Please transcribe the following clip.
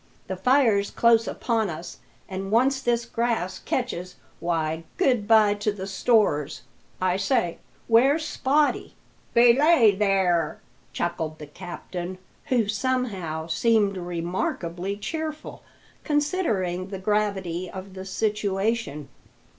"The fire's close upon us, and once this grass catches, why, good bye to the stores! I say, where's Spottie?" "Belay there!" chuckled the captain, who, somehow, seemed remarkably cheerful, considering the gravity of the situation.